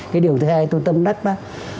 cái điều thứ hai tôi tâm đắc là